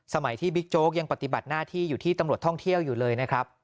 สมัยที่บิ๊กโจ๊กยังปฏิบัติหน้าที่อยู่ที่ตำรวจท่องเที่ยวอยู่เลยนะครับ